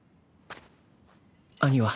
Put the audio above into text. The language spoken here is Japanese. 兄は。